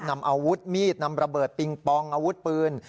นำอาวุธมีดนำระเบิดปิงปองอาวุธปืน